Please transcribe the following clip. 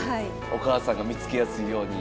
お母さんが見つけやすいように。